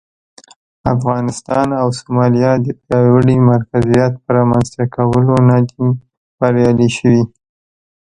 افغانستان او سومالیا د پیاوړي مرکزیت پر رامنځته کولو نه دي بریالي شوي.